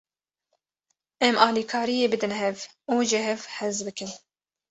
Em alîkariyê bidin hev û ji hev hez bikin.